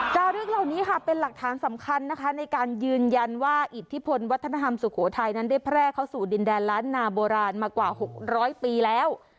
จาริกเหล่านี้ค่ะเป็นหลักฐานสำคัญนะคะในการยืนยันว่าอิทธิพลวัฒนธรรมสุโขทัยนั้นได้แพร่เข้าสู่ดินแดนล้านนาโบราณมากว่า๖๐๐ปีแล้ว